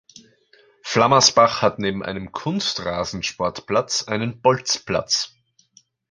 Flammersbach hat neben einem Kunstrasen-Sportplatz einen Bolzplatz.